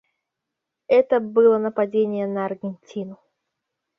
Это было нападение на Аргентину.